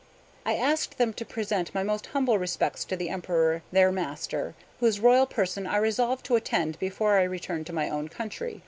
I asked them to present my most humble respects to the Emperor their master, whose royal person I resolved to attend before I returned to my own country.